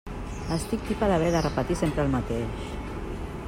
Estic tipa d'haver de repetir sempre el mateix.